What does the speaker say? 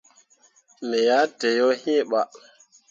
Me ah tǝǝ yo iŋ bah.